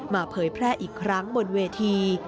เผยแพร่อีกครั้งบนเวที